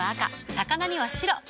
魚には白。